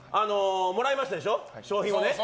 もらいましたでしょ、賞品をね。